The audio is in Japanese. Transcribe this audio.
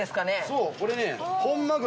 そうこれね。